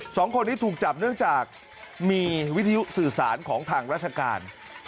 สองคนนี้ถูกจับเนื่องจากมีวิทยุสื่อสารของทางราชการ